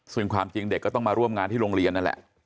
ซึ่งความจริงเด็กก็ต้องมาร่วมงานที่โรงเรียนนั่นแหละ